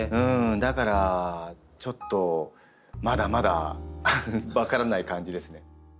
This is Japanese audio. だからちょっとまだまだ分からない感じですね。